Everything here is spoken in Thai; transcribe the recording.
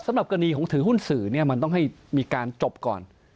สำหรับกรณีของถือหุ้นสื่อเนี่ยมันต้องให้มีการจบก่อน